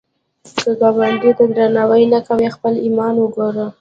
که ګاونډي ته درناوی نه کوې، خپل ایمان وګوره